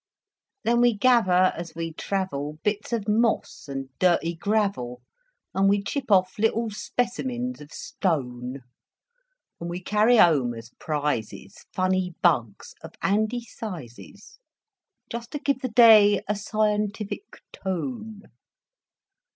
Then we gather as we travel Bits of moss and dirty gravel, And we chip off little specimens of stone; And we carry home as prizes Funny bugs of handy sizes, Just to give the day a scientific tone.